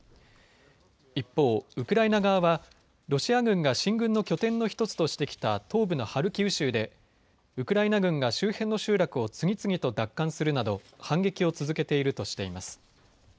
一方、ウクライナ側はロシア軍が進軍の拠点の１つとしてきた東部のハルキウ州でウクライナ軍が周辺の集落を次々と奪還するなど反撃を続けているとしています。